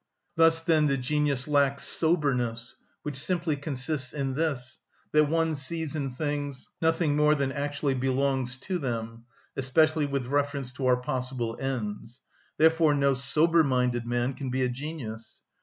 Thus, then, the genius lacks soberness, which simply consists in this, that one sees in things nothing more than actually belongs to them, especially with reference to our possible ends; therefore no sober‐ minded man can be a genius.